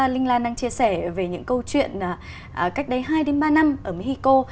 linh lan đang chia sẻ về những câu chuyện cách đây hai ba năm ở mexico